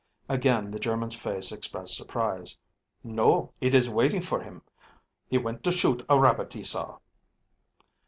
Again the German's face expressed surprise. "No, it is waiting for him. He went to shoot a rabbit he saw."